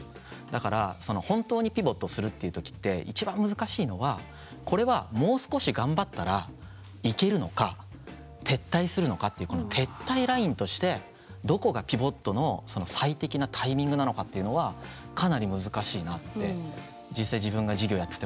だから本当にピボットするっていう時って一番難しいのはこれはもう少し頑張ったらいけるのか撤退するのかっていうこの撤退ラインとしてどこがピボットの最適なタイミングなのかっていうのはかなり難しいなって実際自分が事業やってても。